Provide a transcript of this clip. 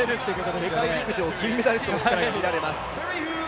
世界陸上金メダリストの力が見られます。